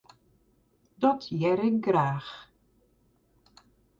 Dat hear ik graach.